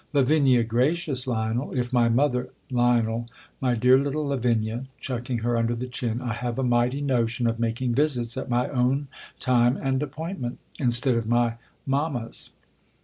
Lav, G ra cicrus , Lionel !— I f my motlicr r Lion, My dear little Lavinia, \Chucking her under the chin'] I have a mighty notion of making visits at my '*6wn time and appointment, instead of my mamma s.